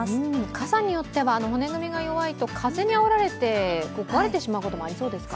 傘によっては骨組みが弱いと風にあおられて壊れてしまうこともありそうですか？